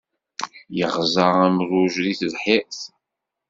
Yeɣza amruj deg tebḥirt.